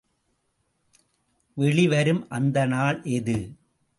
வெளி வரும் அந்த நாள் எது?